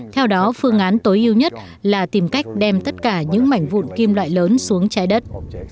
theo đó phương án tối ưu nhất là tìm cách đem tất cả những mảnh vụn kim loại lớn xuống trái đất